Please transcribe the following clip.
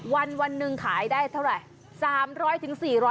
วันหนึ่งขายได้เท่าไหร่